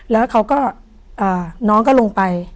แล้วเขาก็น้องก็ลงไป